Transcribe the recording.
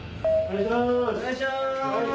・お願いします。